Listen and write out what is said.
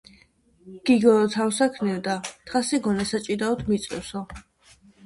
გიგო რომ თავს აქნევდა, თხას ეგონა, საჭიდაოდ მიწვევსო.